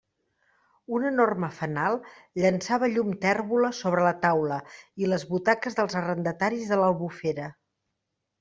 Un enorme fanal llançava llum tèrbola sobre la taula i les butaques dels arrendataris de l'Albufera.